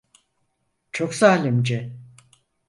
Çok zalimce.